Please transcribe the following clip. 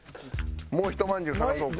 もうひとまんじゅう探そうか。